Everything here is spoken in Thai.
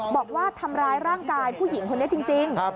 บอกว่าทำร้ายร่างกายผู้หญิงคนนี้จริง